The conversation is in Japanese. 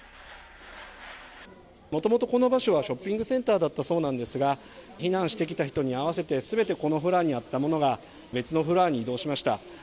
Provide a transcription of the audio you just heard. もともと、この場所はショッピングセンターだったそうなんですが、避難してきた人に合わせてすべてこのフロアにあったものが、別のフロアに移動しました。